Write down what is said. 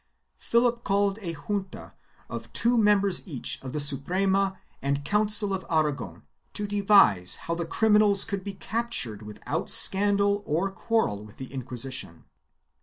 Philip called a junta of two members each of the Suprema and Council of Aragon to devise how the criminals could be captured without scandal or quarrel with the Inquisition.